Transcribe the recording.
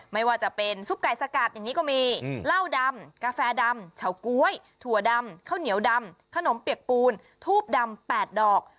ไม่ว่าจะเป็นซุปไก่สกัดอย่างนี้ก็มีเหล้าดำกาแฟดำเฉาก๊วยถั่วดำข้าวเหนียวดำขนมเปียกปูนทูบดำ๘ดอก